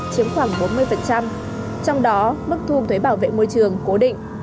nhiều doanh nghiệp có mức giảm khoảng bốn mươi trong đó mức thu thuế bảo vệ môi trường cố định